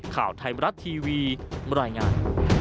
ข่าวไทยมรัฐทีวีบรรยายงาน